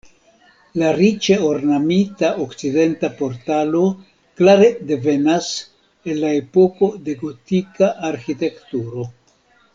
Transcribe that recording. La riĉe ornamita okcidenta portalo klare devenas el la epoko de gotika arĥitekturo.